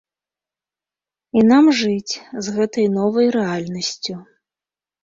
І нам жыць з гэтай новай рэальнасцю.